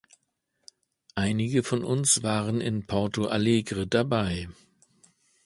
Einige von uns waren in Porto Alegre dabei.